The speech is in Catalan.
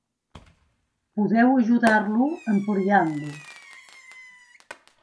Podeu ajudar-lo ampliant-lo.